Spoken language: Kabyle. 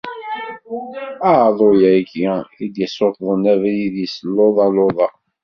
Aḍu-agi i d-isuḍen, abrid-is luḍa luḍa.